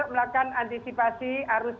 melakukan antisipasi arus